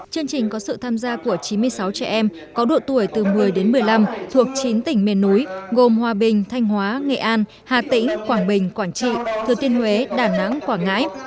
chương trình có sự tham gia của chín mươi sáu trẻ em có độ tuổi từ một mươi đến một mươi năm thuộc chín tỉnh miền núi gồm hòa bình thanh hóa nghệ an hà tĩnh quảng bình quảng trị thừa tiên huế đà nẵng quảng ngãi